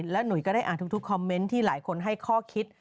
หนุ่ยก็ได้อ่านทุกคอมเมนต์ที่หลายคนให้ข้อคิด